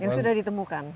yang sudah ditemukan